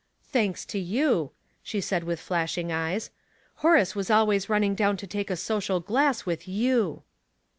" Thanks to you," she said, with flashing eyes. " Horace was always running down to take a social glass with t/ou.'